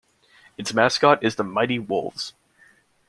Its mascot is the Mighty Wolves.